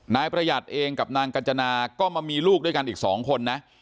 นายประหยัดเองกับนางกัญจนาก็มามีลูกด้วยกันอีก๒คนนะ